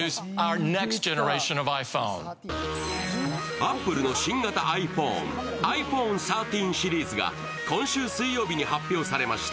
アップルの新型ｉＰｈｏｎｅ、ｉＰｈｏｎｅ１３シリーズが今週水曜日に発表されました。